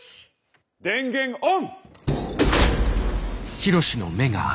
電源オン！